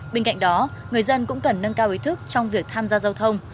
bên cạnh đó người dân cũng cần nâng cao ý thức trong việc tham gia giao thông